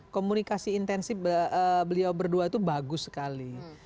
komunikasi intensif beliau berdua itu bagus sekali